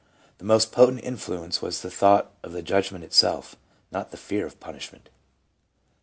The most potent influence was the thought of the Judgment itself, not the fear of punishment.